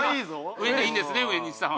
上でいいんですね上西さん。